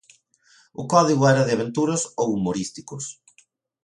O código era de aventuras ou humorísticos.